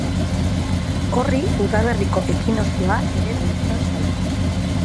Horri udaberriko ekinozioa ere deitzen zaio.